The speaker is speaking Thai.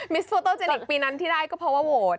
โซโตเจลิกปีนั้นที่ได้ก็เพราะว่าโหวต